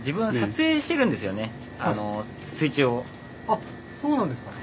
あっそうなんですか。